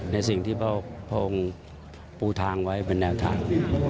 ในสิ่งที่พระองค์ปูทางไว้เป็นแนวทาง